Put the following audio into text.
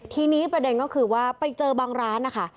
ทีนี้ประเด็นก็คือว่าไปเจอบางร้านนะคะ